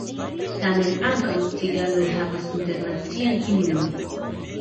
Tamen ankaŭ ciganoj havas internacian himnon.